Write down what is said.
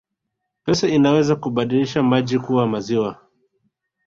Pesa inaweza kubadilisha maji kuwa maziwa